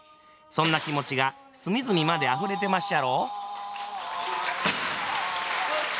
そんな気持ちが隅々まであふれてまっしゃろ？